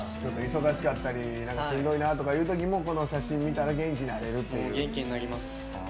忙しかったりしんどいなっていうときもこの写真を見たら元気なれるっていう。